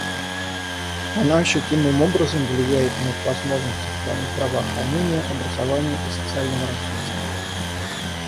Она ощутимым образом влияет на их возможности в плане здравоохранения, образования и социального развития.